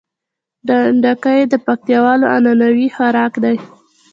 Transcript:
ډنډکی د پکتياوالو عنعنوي خوارک ده